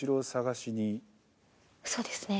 そうですね。